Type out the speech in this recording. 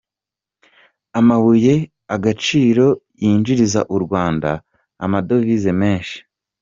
Amabuye y’agaciro yinjiriza u Rwanda amadovize menshi